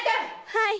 はい。